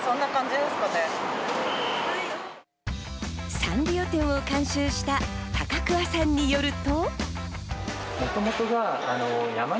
サンリオ展を監修した高桑さんによると。